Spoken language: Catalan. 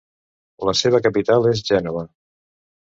La seva capital és Gènova.